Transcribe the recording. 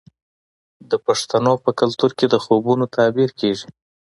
د پښتنو په کلتور کې د خوبونو تعبیر کیږي.